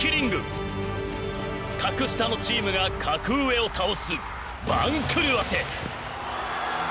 格下のチームが格上を倒す番狂わせ。